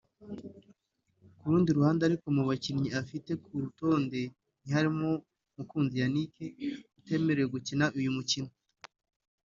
Ku rundi ruhande ariko mu bakinnyi ifite ku rutonde ntihariho Mukunzi Yannick utemerewe gukina uyu mukino